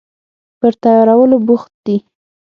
پر تیارولو بوخت دي